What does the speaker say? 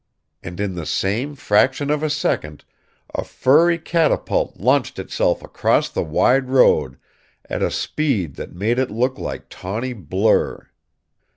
And in the same fraction of a second a furry catapult launched itself across the wide road at a speed that made it look like tawny blur.